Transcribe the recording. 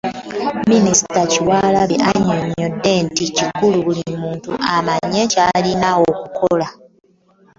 Minisita Kyewalabye annyonnyodde nti kikulu buli omu amanye ky'alina okukola.